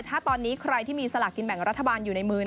ถ้าตอนนี้ใครที่มีสลากกินแบ่งรัฐบาลอยู่ในมือ